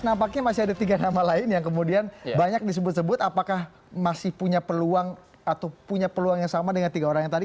nampaknya masih ada tiga nama lain yang kemudian banyak disebut sebut apakah masih punya peluang atau punya peluang yang sama dengan tiga orang yang tadi